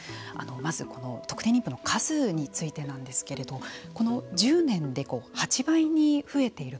まず、この特定妊婦の数についてなんですけれどもこの１０年で８倍に増えている。